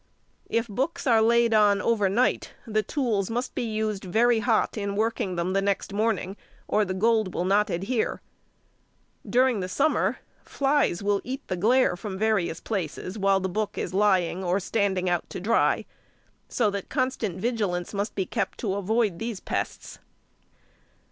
If books are laid on over night the tools must be used very hot in working them the next morning, or the gold will not adhere. During summer, flies will eat the glaire from various places while the book is lying or standing out to dry, so that constant vigilance must be kept to avoid these pests.